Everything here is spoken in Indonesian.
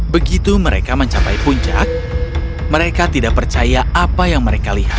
begitu mereka mencapai puncak mereka tidak percaya apa yang mereka lihat